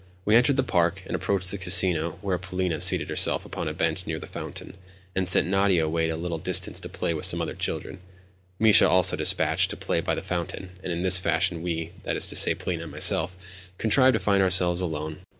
We entered the Park, and approached the Casino, where Polina seated herself upon a bench near the fountain, and sent Nadia away to a little distance to play with some other children. Mischa also I dispatched to play by the fountain, and in this fashion we—that is to say, Polina and myself—contrived to find ourselves alone.